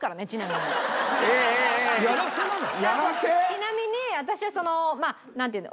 ちなみに私はそのまあなんていうんだ。